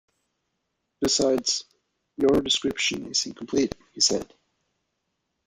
"Besides, your description is incomplete," he said.